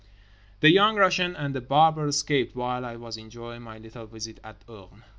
The Young Russian and The Barber escaped while I was enjoying my little visit at Orne.